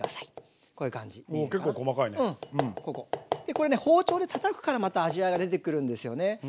これね包丁でたたくからまた味わいが出てくるんですよね。